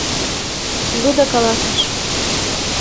Люда каласыш.